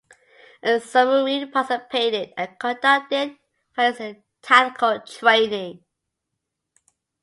And submarines participated and conducted various tactical training.